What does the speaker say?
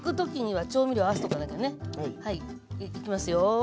はいいきますよ。